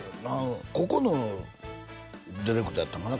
ここのディレクターやったんかな